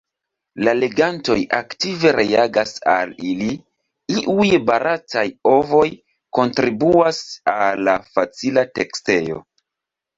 La legantoj aktive reagas al ili; iuj barataj “ovoj” kontribuas al la facila tekstejo.